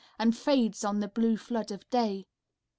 And fades on the blue flood of day.